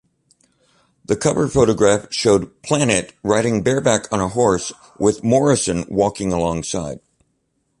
The cover photograph showed Planet, riding bareback on a horse, with Morrison walking alongside.